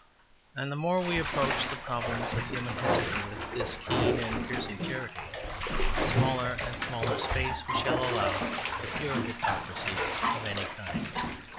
And the more we approach the problems of human history with this keen and piercing charity, the smaller and smaller space we shall allow to pure hypocrisy of any kind.